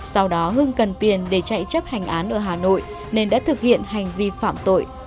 sau đó hưng cần tiền để chạy chấp hành án ở hà nội nên đã thực hiện hành vi phạm tội